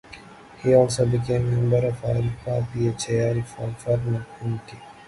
He also became a member of Alpha Phi Alpha fraternity.